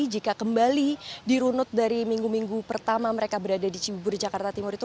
jika kembali dirunut dari minggu minggu pertama mereka berada di cibubur jakarta timur itu